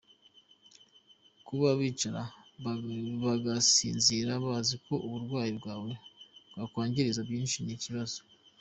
Kuba bicara bagasinzira bazi ko uburwayi bwawe bwakwangiza byinshi, ni ikibazo.